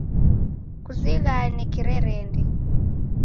Kuzighane kirerende